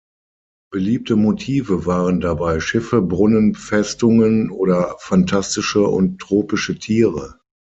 Beliebte Motive waren dabei Schiffe, Brunnen, Festungen oder phantastische und tropische Tiere.